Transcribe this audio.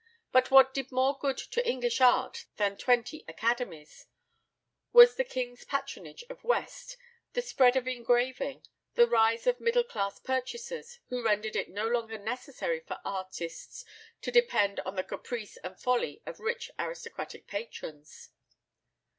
But what did more good to English art than twenty academies was the king's patronage of West, the spread of engraving, and the rise of middle class purchasers, who rendered it no longer necessary for artists to depend on the caprice and folly of rich aristocratic patrons.